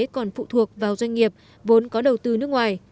còn phụ thuộc vào doanh nghiệp vốn có đầu tư nước ngoài